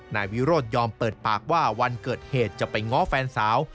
นายวิโรธยอมเปิดปากว่าวันเกิดเหตุจะไปง้อแฟนสาว